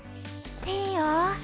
いいよ！